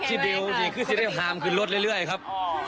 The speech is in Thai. ที่บิลมีคือซีเรียฟฮามคือลดเรื่อยครับ